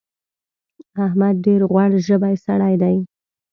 احمد ډېر غوړ ژبی سړی دی.